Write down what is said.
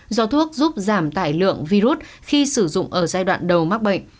do thuốc giúp giảm tải lượng virus khi sử dụng ở giai đoạn đầu mắc bệnh